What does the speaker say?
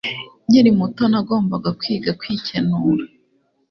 Nkiri muto, nagombaga kwiga kwikenura.